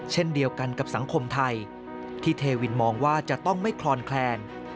เช่นเดียวกันกับสังคมไทยที่เทวินมองว่าจะต้องไม่คลอนแคลน